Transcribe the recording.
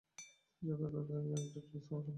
তিনি ছাত্রদের অধ্যয়নের জন্য একটি টোল স্থাপন করেন।